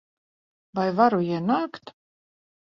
Vai varu ienākt?